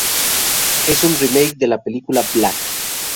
Es un remake de la película "Black".